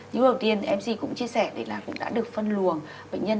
như đầu tiên mc cũng chia sẻ đấy là cũng đã được phân luồng bệnh nhân